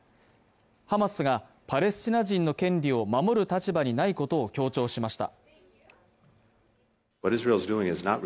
ハマスがパレスチナ人の権利を守る立場にないことを強調しました。